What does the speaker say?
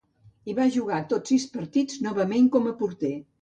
Hi va jugar tots sis partits, novament com a porter.